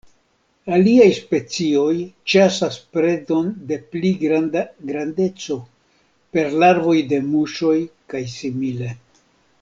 Aliaj specioj ĉasas predon de pli granda grandeco: per larvoj de muŝoj kaj simile.